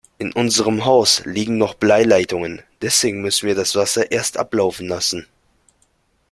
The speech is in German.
In unserem Haus liegen noch Bleileitungen, deswegen müssen wir das Wasser erst ablaufen lassen.